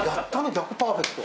逆パーフェクト。